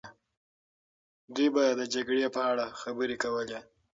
دوی به د جګړې په اړه خبرې کولې.